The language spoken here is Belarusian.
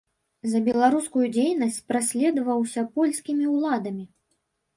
За беларускую дзейнасць праследаваўся польскімі ўладамі.